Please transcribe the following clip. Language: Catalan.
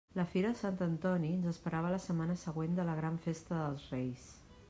La fira de Sant Antoni ens esperava la setmana següent de la gran festa dels Reis.